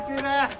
はい。